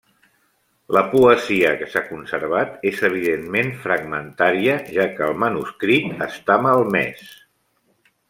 La poesia que s'ha conservat és evidentment fragmentària, ja que el manuscrit està malmès.